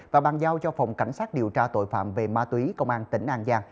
và bàn giao cho phòng cảnh sát điều tra tội phạm về ma túy công an tỉnh an giang